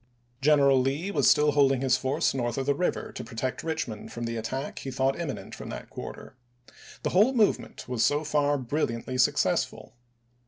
General Lee was still holding his force north of the river to protect Richmond from the attack he thought imminent from that quarter. The whole movement was so far brilliantly successful.